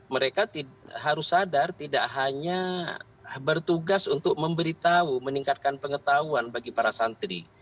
mereka harus sadar tidak hanya bertugas untuk memberitahu meningkatkan pengetahuan bagi para santri